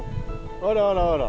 あらあらあら。